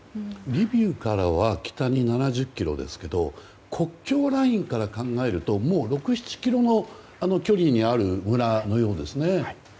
リビウからは北に７０ｋｍですが国境ラインから考えるともう６７ｋｍの距離にあるそうですね。